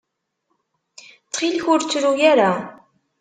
Ttxil ur ttru ara.